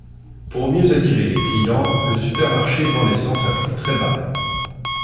Pour mieux attirer les clients, le supermarché vend l'essence à prix très bas.